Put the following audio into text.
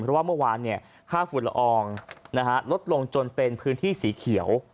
เพราะว่าเมื่อวานค่าฝุ่นละอองลดลงจนเป็นพื้นที่สีเขียว